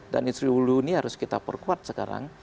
dan industri hulu ini harus kita perkuat sekarang